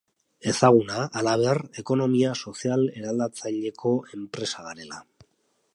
Ezaguna, halaber, ekonomia sozial eraldatzaileko enpresa garela.